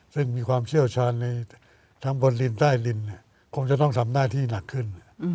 ซึ่งมีความเชี่ยวชาญในทั้งบนดินใต้ลินคงจะต้องทำหน้าที่หนักขึ้น